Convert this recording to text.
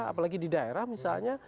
apalagi di daerah misalnya